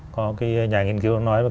có cái nhà nghiên cứu nói là